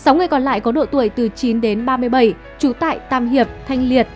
sáu người còn lại có độ tuổi từ chín đến ba mươi bảy trú tại tam hiệp